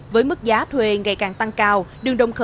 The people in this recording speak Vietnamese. với mức giá thuê ngày càng tăng cao đường đồng khởi